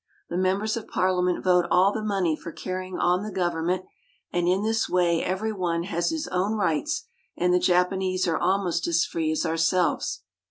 The members of Parliament vote all the money for carrying on the government, and in this way every one has his own rights, and the Japanese are almost as free as ourselves.